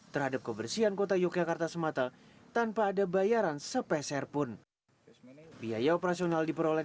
terhadap kebersihan kota yogyakarta semata tanpa ada bayaran sepeserpun biaya operasional diperoleh